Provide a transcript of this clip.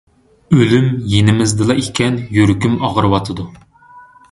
ئۆلۈم يېنىمىزدىلا ئىكەن... يۈرىكىم ئاغرىۋاتىدۇ.